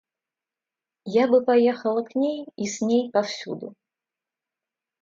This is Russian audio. Я бы поехала к ней и с ней повсюду.